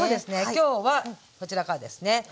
きょうはこちらからですね。